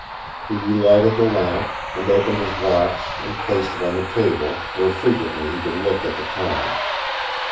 He relighted the lamp, and opened his watch and placed it on the table, where frequently he could look at the time.